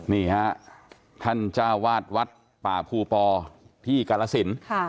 นี่ฮะท่านจาวาทวัดป่าภูปอที่กรสินค์